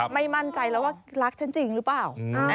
ไม่มั่นใจแล้วว่ารักฉันจริงหรือเปล่า